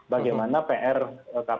bagaimana pr menjelaskan